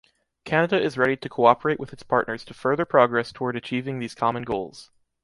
Canada is ready to cooperate with its partners to further progress toward achieving these common goals.